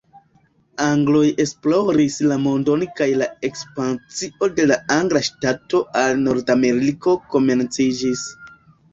Angloj esploris la mondon kaj la ekspansio de la angla ŝtato al Nordameriko komenciĝis.